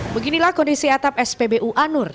beginilah kondisi atap spbu anur